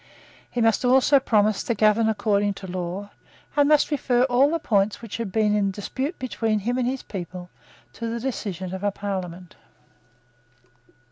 He must also promise to govern according to law, and must refer all the points which had been in dispute between him and his people to the decision of a Parliament.